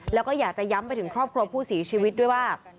แล้วก็อยากจะย้ำไปถึงครอบครัวผู้เสียชีวิตด้วยว่า